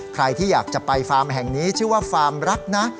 ใครที่อยากจะไปฟาร์มแห่งนี้ชื่อว่าฟาร์มรักนะ